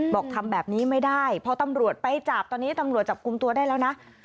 บอกทำแบบนี้ไม่ได้พอตำรวจไปจับตอนนี้ตำรวจจับกลุ่มตัวได้แล้วนะ